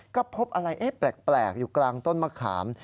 ก็พบอะไรแปลกอยู่กลางต้นมะขาม